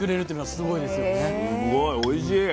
すごいおいしい。